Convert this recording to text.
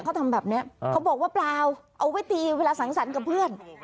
เขาบอกว่าเปล่าเอาไว้ตีเวลาสังสรรกับเพื่อน